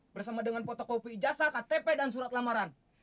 bersama dengan fotokopi ijazah ktp dan surat lamaran